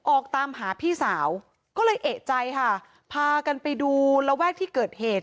ออกตามหาพี่สาวก็เลยเอกใจค่ะพากันไปดูระแวกที่เกิดเหตุ